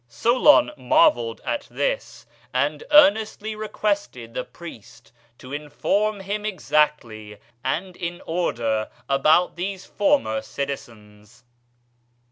Solon marvelled at this, and earnestly requested the priest to inform him exactly and in order about these former citizens.